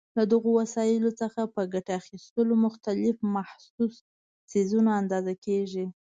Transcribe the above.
له دغو وسایلو څخه په ګټې اخیستلو مختلف محسوس څیزونه اندازه کېږي.